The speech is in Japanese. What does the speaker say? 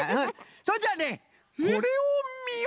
それじゃあねこれをみよ！